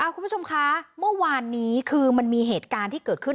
คุณผู้ชมคะเมื่อวานนี้คือมันมีเหตุการณ์ที่เกิดขึ้น